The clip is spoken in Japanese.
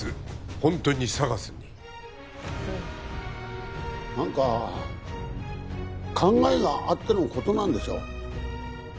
ホントにＳＡＧＡＳにうん何か考えがあってのことなんでしょう